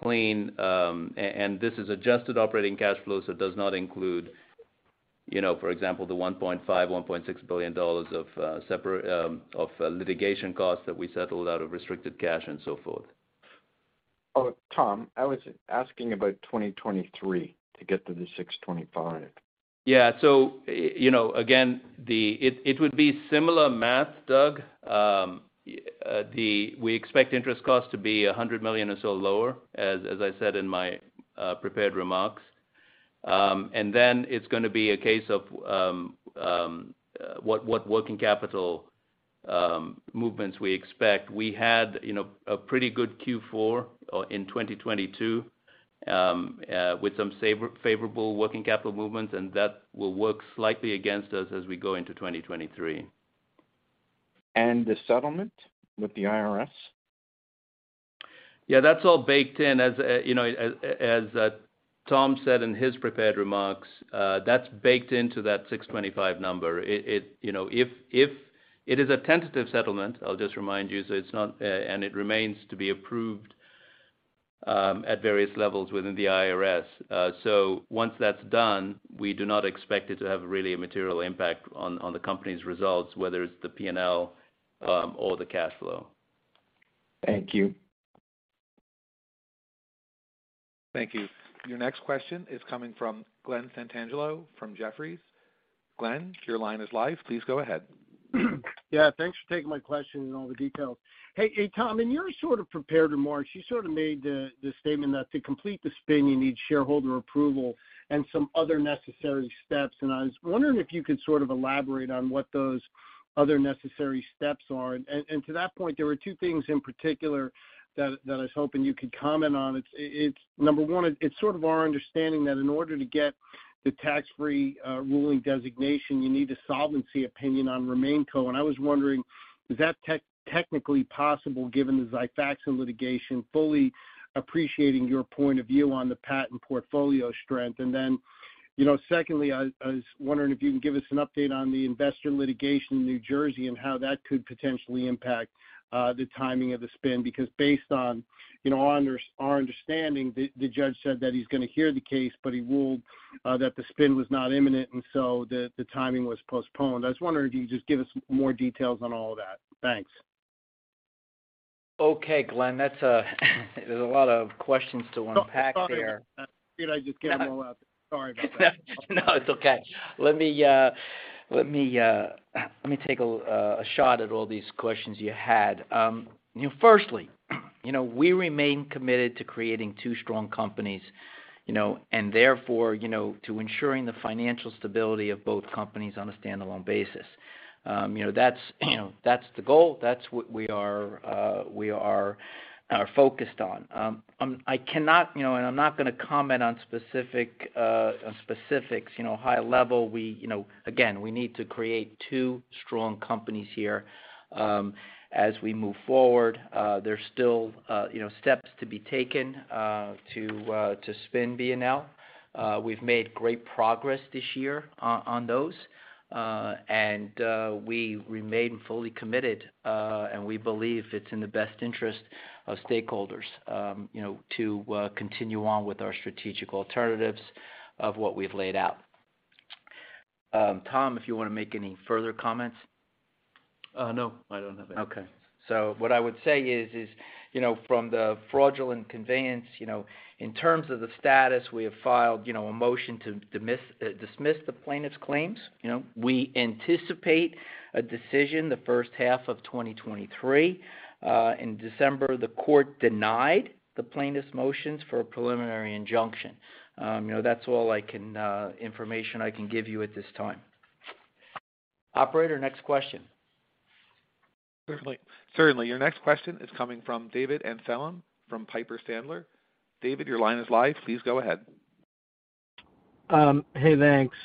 clean, and this is adjusted operating cash flow, so it does not include, you know, for example, the $1.5 billion, $1.6 billion of separate of litigation costs that we settled out of restricted cash and so forth. Oh, Tom, I was asking about 2023 to get to the $625 million. Yeah. You know, again, It would be similar math, Doug. We expect interest costs to be $100 million or so lower, as I said in my prepared remarks. It's gonna be a case of what working capital movements we expect. We had, you know, a pretty good Q4 in 2022 with some favorable working capital movements, that will work slightly against us as we go into 2023. The settlement with the IRS? Yeah, that's all baked in. As you know, as Tom said in his prepared remarks, that's baked into that $625 million number. It, you know, if it is a tentative settlement, I'll just remind you, it's not—it remains to be approved at various levels within the IRS. Once that's done, we do not expect it to have really a material impact on the company's results, whether it's the P&L or the cash flow. Thank you. Thank you. Your next question is coming from Glen Santangelo from Jefferies. Glen, your line is live. Please go ahead. Yeah. Thanks for taking my question and all the details. Hey, Tom, in your sort of prepared remarks, you sort of made the statement that to complete the spin, you need shareholder approval and some other necessary steps, and I was wondering if you could sort of elaborate on what those other necessary steps are. To that point, there were two things in particular that I was hoping you could comment on. It's number one, it's sort of our understanding that in order to get the tax-free ruling designation, you need a solvency opinion on RemainCo. I was wondering, is that technically possible given the XIFAXAN litigation, fully appreciating your point of view on the patent portfolio strength? You know, secondly, I was wondering if you can give us an update on the investor litigation in New Jersey and how that could potentially impact the timing of the spin. Based on, you know, on our understanding, the judge said that he's gonna hear the case, he ruled that the spin was not imminent, the timing was postponed. I was wondering if you could just give us more details on all of that. Thanks. Okay, Glen. There's a lot of questions to unpack there. Sorry about that. Seemed I just came all out. Sorry about that. No, it's okay. Let me take a shot at all these questions you had. You know, firstly, you know, we remain committed to creating two strong companies, you know, and therefore, you know, to ensuring the financial stability of both companies on a standalone basis. You know, that's, you know, that's the goal. That's what we are, we are focused on. I cannot, you know, and I'm not gonna comment on specific, on specifics. You know, high level, we, you know. Again, we need to create two strong companies here, as we move forward. There's still, you know, steps to be taken, to spin B + L. We've made great progress this year on those, and we remain fully committed, and we believe it's in the best interest of stakeholders, you know, to continue on with our strategic alternatives of what we've laid out. Tom, if you wanna make any further comments. No, I don't have any. What I would say is, you know, from the fraudulent conveyance, you know, in terms of the status, we have filed, you know, a motion to dismiss the plaintiff's claims, you know. We anticipate a decision the first half of 2023. In December, the court denied the plaintiff's motions for a preliminary injunction. You know, that's all I can information I can give you at this time. Operator, next question. Certainly. Certainly. Your next question is coming from David Amsellem from Piper Sandler. David, your line is live. Please go ahead. Hey, thanks.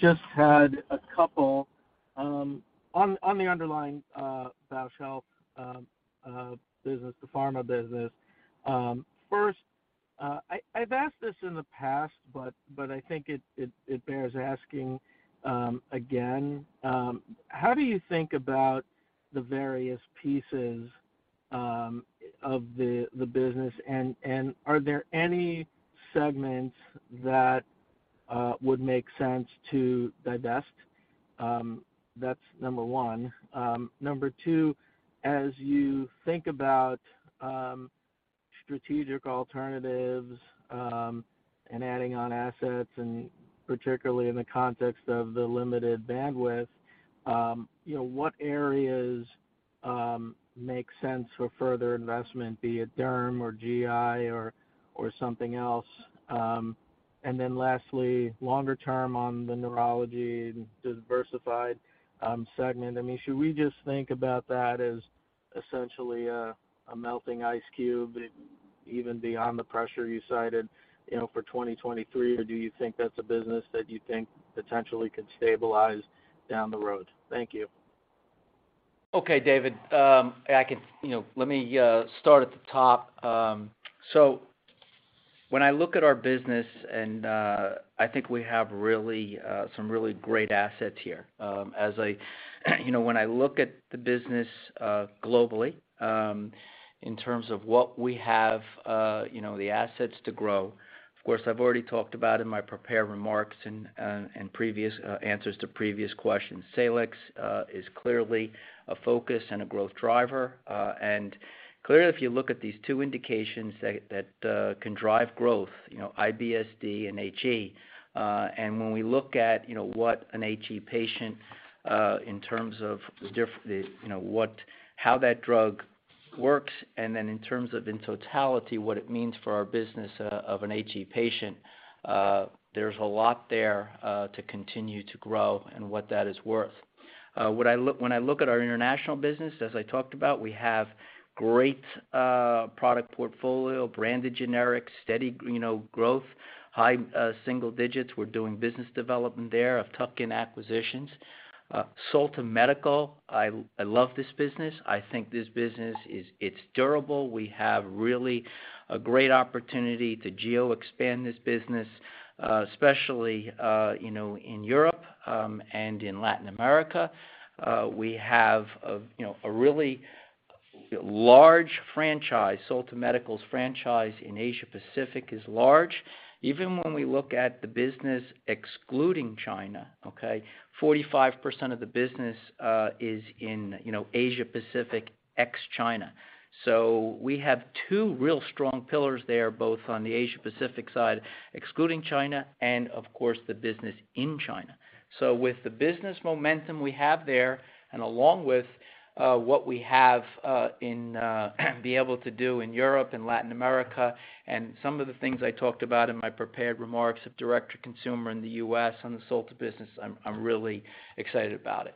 Just had a couple on the underlying Bausch Health business, the pharma business. First, I've asked this in the past, but I think it bears asking again. How do you think about the various pieces of the business, and are there any segments that would make sense to divest? That's number one. Number two, as you think about strategic alternatives, and adding on assets, and particularly in the context of the limited bandwidth, you know, what areas make sense for further investment, be it derm or GI or something else? Then lastly, longer term on the neurology and the Diversified segment, I mean, should we just think about that as essentially a melting ice cube, even beyond the pressure you cited, you know, for 2023? Or do you think that's a business that you think potentially could stabilize down the road? Thank you. Okay, David Amsellem. You know, let me start at the top. When I look at our business and I think we have really some really great assets here. You know, when I look at the business globally, in terms of what we have, you know, the assets to grow, of course, I've already talked about in my prepared remarks and and previous answers to previous questions. Salix is clearly a focus and a growth driver. Clearly, if you look at these two indications that can drive growth, you know, IBS-D and HE. When we look at, you know, what an HE patient, in terms of how that drug works, and then in terms of in totality, what it means for our business of an HE patient, there's a lot there to continue to grow and what that is worth. When I look at our international business, as I talked about, we have great product portfolio, branded generics, steady, you know, growth, high single digits. We're doing business development there of tuck-in acquisitions. Solta Medical, I love this business. I think this business it's durable. We have really a great opportunity to geo-expand this business, especially, you know, in Europe and in Latin America. We have, you know, a really large franchise. Solta Medical's franchise in Asia-Pacific is large. Even when we look at the business excluding China, okay, 45% of the business is in, you know, Asia-Pacific, ex-China. We have two real strong pillars there, both on the Asia-Pacific side, excluding China and, of course, the business in China. With the business momentum we have there and along with what we have in be able to do in Europe and Latin America, and some of the things I talked about in my prepared remarks of direct-to-consumer in the U.S. on the Solta business, I'm really excited about it.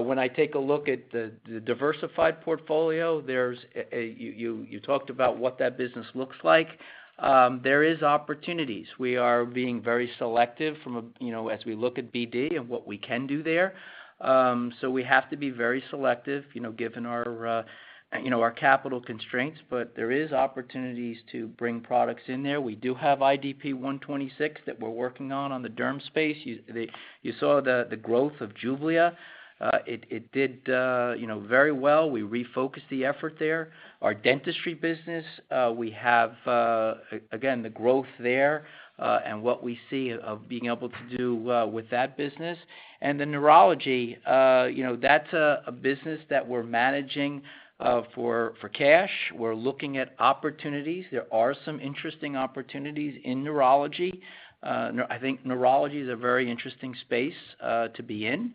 When I take a look at the Diversified portfolio, there's you talked about what that business looks like. There is opportunities. We are being very selective from a, you know, as we look at BD and what we can do there. We have to be very selective, you know, given our, you know, our capital constraints. There is opportunities to bring products in there. We do have IDP-126 that we're working on on the derm space. You saw the growth of JUBLIA. It, it did, you know, very well. We refocused the effort there. Our dentistry business, we have, again, the growth there, and what we see of being able to do with that business. The neurology, you know, that's a business that we're managing for cash. We're looking at opportunities. There are some interesting opportunities in neurology. I think neurology is a very interesting space to be in.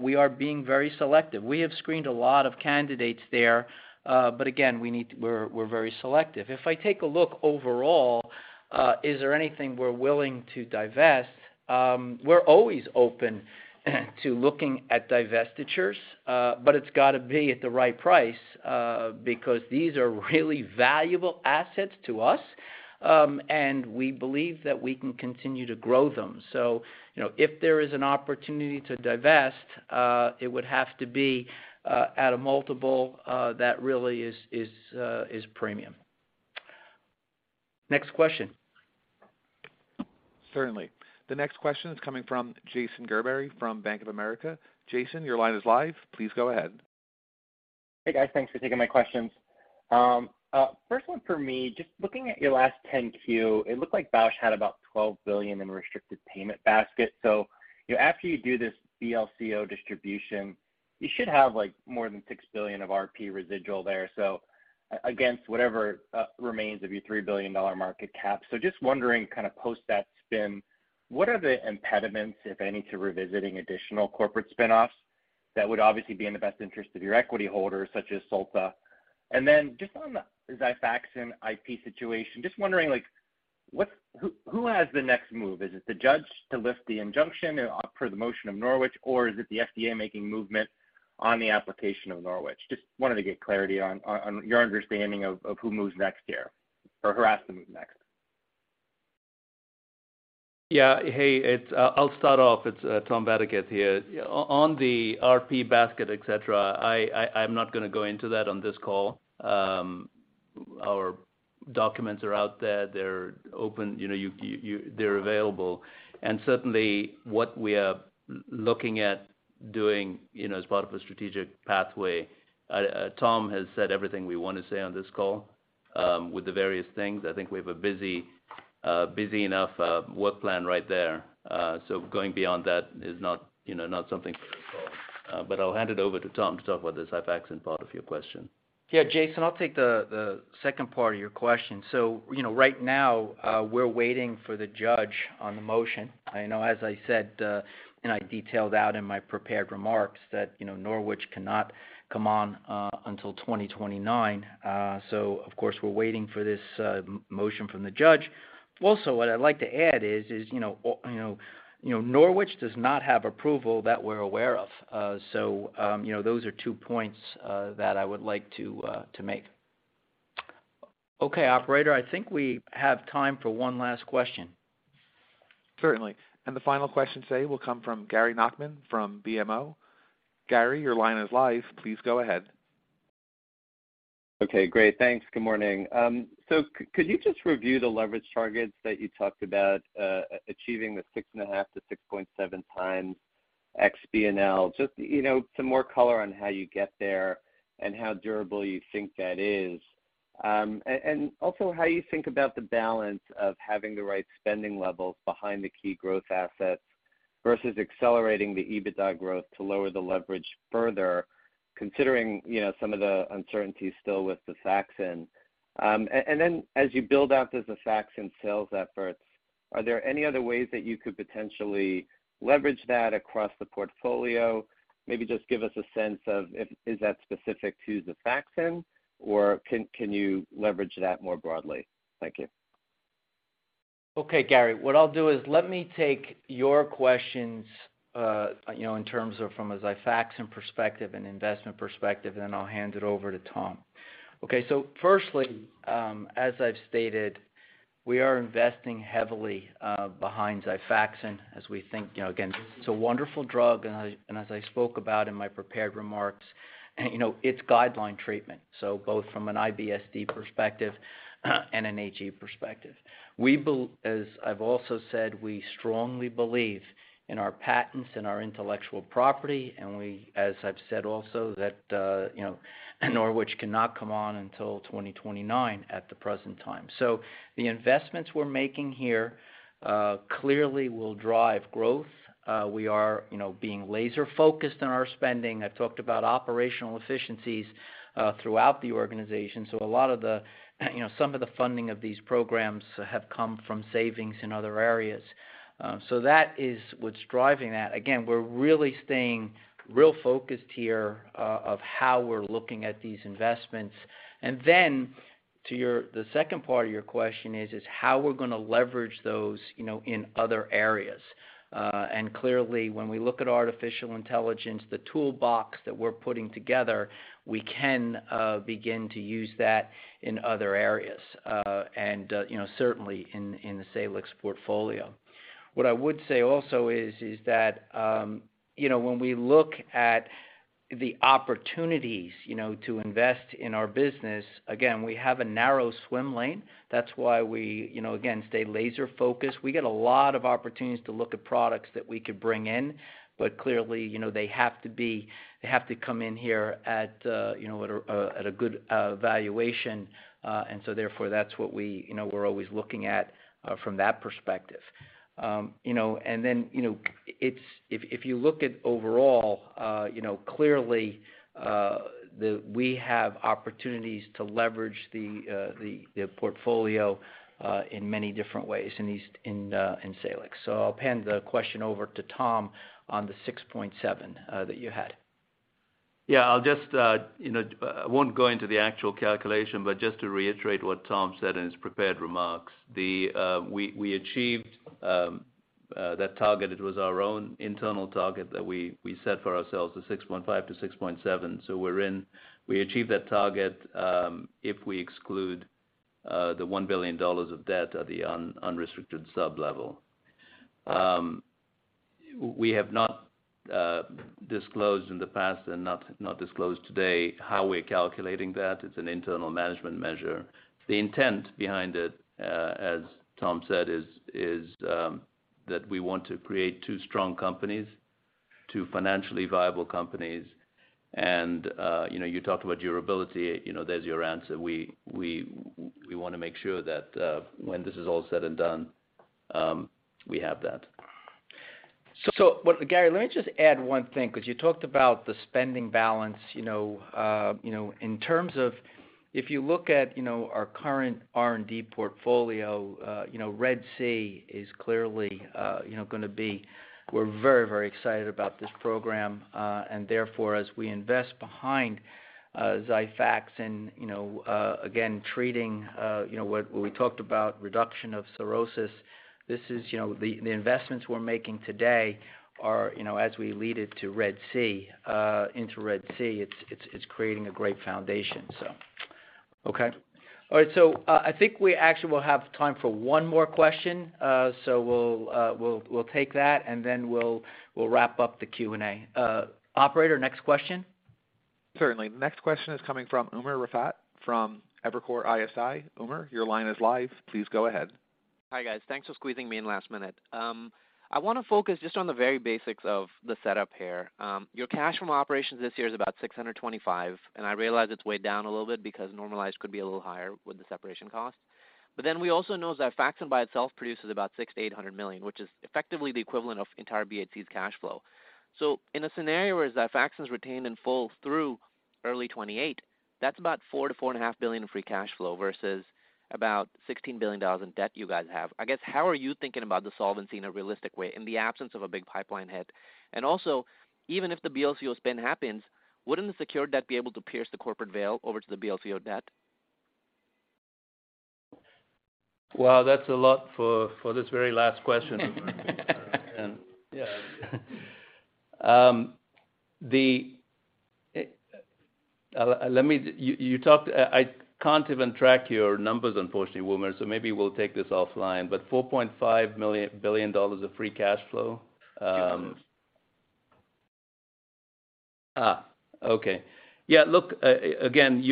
We are being very selective. We have screened a lot of candidates there, again, we're very selective. If I take a look overall, is there anything we're willing to divest? We're always open to looking at divestitures, but it's gotta be at the right price, because these are really valuable assets to us, and we believe that we can continue to grow them. You know, if there is an opportunity to divest, it would have to be at a multiple that really is premium. Next question. Certainly. The next question is coming from Jason Gerberry from Bank of America. Jason, your line is live. Please go ahead. Hey guys, thanks for taking my questions. First one for me, just looking at your last 10-Q, it looked like Bausch had about $12 billion in restricted payment basket. After you do this B + L distribution, you should have, like, more than $6 billion of RP residual there. Against whatever remains of your $3 billion market cap. Just wondering, kind of post that spin, what are the impediments, if any, to revisiting additional corporate spinoffs that would obviously be in the best interest of your equity holders, such as Solta? Just on the XIFAXAN IP situation, just wondering, like, who has the next move? Is it the judge to lift the injunction per the motion of Norwich, or is it the FDA making movement on the application of Norwich? Just wanted to get clarity on your understanding of who moves next here or who has to move next? Yeah. Hey, I'll start off. It's Tom Vadaketh here. On the RP basket, et cetera, I'm not gonna go into that on this call. Our documents are out there, they're open, you know, they're available. Certainly, what we are looking at doing, you know, as part of a strategic pathway, Tom has said everything we wanna say on this call, with the various things. I think we have a busy enough work plan right there. Going beyond that is not, you know, not something for this call. I'll hand it over to Tom to talk about the XIFAXAN part of your question. Yeah, Jason, I'll take the second part of your question. You know, right now, we're waiting for the judge on the motion. I know, as I said, and I detailed out in my prepared remarks that, you know, Norwich cannot come on until 2029. Of course, we're waiting for this motion from the judge. Also, what I'd like to add is, you know, Norwich does not have approval that we're aware of. You know, those are two points that I would like to make. Okay, operator, I think we have time for one last question. Certainly. The final question today will come from Gary Nachman from BMO. Gary, your line is live. Please go ahead. Okay, great. Thanks. Good morning. could you just review the leverage targets that you talked about achieving the 6.5-6.7 times ex-B + L? Just, you know, some more color on how you get there and how durable you think that is. Also how you think about the balance of having the right spending levels behind the key growth assets versus accelerating the EBITDA growth to lower the leverage further, considering, you know, some of the uncertainties still with the XIFAXAN. Then as you build out the XIFAXAN sales efforts, are there any other ways that you could potentially leverage that across the portfolio? Maybe just give us a sense of if that specific to XIFAXAN, or can you leverage that more broadly? Thank you. Okay, Gary, what I'll do is let me take your questions, you know, in terms of from a XIFAXAN perspective and investment perspective, and then I'll hand it over to Tom. Okay. Firstly, as I've stated, we are investing heavily behind XIFAXAN as we think, you know, again, this is a wonderful drug, and as I spoke about in my prepared remarks, you know, it's guideline treatment, so both from an IBS-D perspective and an HE perspective. As I've also said, we strongly believe in our patents and our intellectual property, and we, as I've said also that, you know, Norwich cannot come on until 2029 at the present time. The investments we're making here clearly will drive growth. We are, you know, being laser-focused on our spending. I've talked about operational efficiencies throughout the organization. A lot of the, you know, some of the funding of these programs have come from savings in other areas. That is what's driving that. Again, we're really staying real focused here of how we're looking at these investments. To the second part of your question is how we're gonna leverage those, you know, in other areas. Clearly, when we look at artificial intelligence, the toolbox that we're putting together, we can begin to use that in other areas, and, you know, certainly in the Salix portfolio. What I would say also is that, you know, when we look at the opportunities, you know, to invest in our business, again, we have a narrow swim lane. That's why we, you know, again, stay laser-focused. We get a lot of opportunities to look at products that we could bring in, but clearly, you know, they have to come in here at, you know, at a good valuation. Therefore, that's what we, you know, we're always looking at from that perspective. You know, if you look at overall, you know, clearly, we have opportunities to leverage the portfolio in many different ways in Salix. I'll hand the question over to Tom on the 6.7x that you had. Yeah, I'll just, you know, I won't go into the actual calculation, but just to reiterate what Tom said in his prepared remarks. We achieved that target. It was our own internal target that we set for ourselves, the 6.5x-6.7x. We achieved that target, if we exclude the $1 billion of debt at the unrestricted sub-level. We have not disclosed in the past and not disclosed today how we're calculating that. It's an internal management measure. The intent behind it, as Tom said, is that we want to create two strong companies, two financially viable companies. You know, you talked about durability, you know, there's your answer. We wanna make sure that when this is all said and done, we have that. Gary, let me just add one thing, 'cause you talked about the spending balance, you know. In terms of if you look at, you know, our current R&D portfolio, you know, RED-C is clearly, you know, gonna be. We're very, very excited about this program. Therefore, as we invest behind XIFAXAN and, you know, again, treating, you know, what we talked about, reduction of cirrhosis. This is, you know, the investments we're making today are, you know, as we lead it to RED-C, into RED-C, it's, it's creating a great foundation, so. Okay. All right. I think we actually will have time for one more question. We'll take that, and then we'll wrap up the Q&A. Operator, next question. Certainly. Next question is coming from Umer Raffat from Evercore ISI. Umer, your line is live. Please go ahead. Hi, guys. Thanks for squeezing me in last minute. I wanna focus just on the very basics of the setup here. Your cash from operations this year is about $625 million, I realize it's weighed down a little bit because normalized could be a little higher with the separation cost. We also know XIFAXAN by itself produces about $600 million-$800 million, which is effectively the equivalent of entire BHC's cash flow. In a scenario where XIFAXAN is retained in full through early 2028, that's about $4 billion-$4.5 billion in free cash flow versus about $16 billion in debt you guys have. I guess, how are you thinking about the solvency in a realistic way in the absence of a big pipeline hit? Even if the B + L spin happens, wouldn't the secured debt be able to pierce the corporate veil over to the B + L debt? Wow, that's a lot for this very last question. Yeah. You talked—I can't even track your numbers, unfortunately, Umer, so maybe we'll take this offline. $4.5 billion of free cash flow. Okay. Yeah, look, again,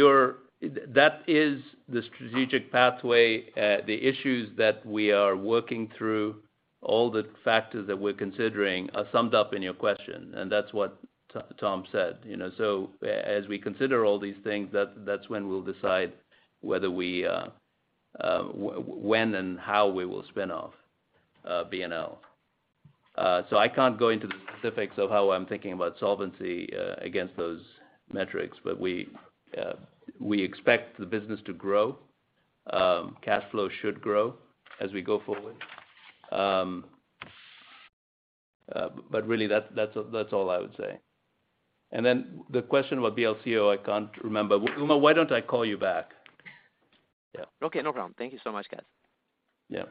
that is the strategic pathway. The issues that we are working through, all the factors that we're considering are summed up in your question, and that's what Tom said, you know? As we consider all these things, that's when we'll decide whether we, when and how we will spin off B + L. I can't go into the specifics of how I'm thinking about solvency against those metrics. We expect the business to grow. Cash flow should grow as we go forward. But really that's all I would say. The question about B + L, I can't remember. Umer, why don't I call you back? Yeah. Okay, no problem. Thank you so much, guys. Yeah.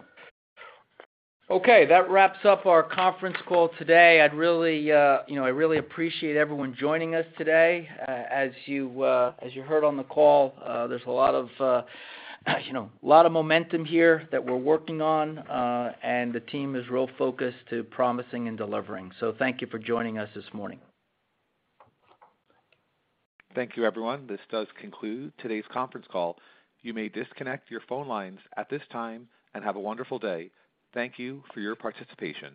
Okay. That wraps up our conference call today. I'd really, you know, I really appreciate everyone joining us today. As you, as you heard on the call, there's a lot of, you know, lot of momentum here that we're working on. The team is real focused to promising and delivering. Thank you for joining us this morning. Thank you, everyone. This does conclude today's conference call. You may disconnect your phone lines at this time, and have a wonderful day. Thank you for your participation.